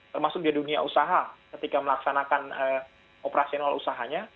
termasuk di dunia usaha ketika melaksanakan operasional usahanya